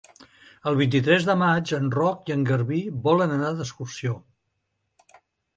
El vint-i-tres de maig en Roc i en Garbí volen anar d'excursió.